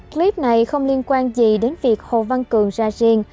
clip này không liên quan gì đến việc hồ văn cường ra riêng